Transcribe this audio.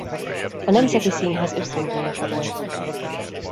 A Nemzeti Színház ösztöndíjasa volt.